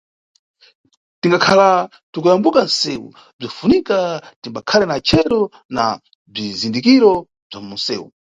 Tingakhala tiKuyambuka nʼsewu, bzinʼfunika timbakhale na chero na bzizindikiro bza munʼsewu.